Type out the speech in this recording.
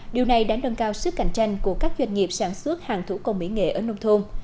điều này đã nâng cao sức cạnh tranh của các doanh nghiệp sản xuất hàng thủ công mỹ nghệ ở nông thôn